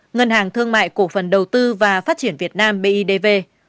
ngân hàng thương mại cổ phần đầu tư và phát triển việt nam bidv